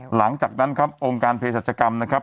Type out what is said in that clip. หลังจากนั้นครับองค์การเพศรัชกรรมนะครับ